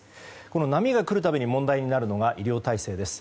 この波が来るたびに問題になるのが医療体制です。